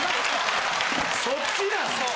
そっちなん？